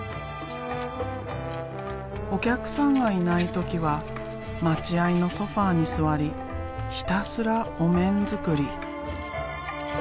お客さんがいない時は待合のソファーに座りひたすらお面作り。